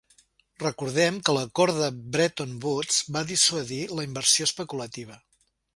Recordem que l'acord de Bretton Woods va dissuadir la inversió especulativa.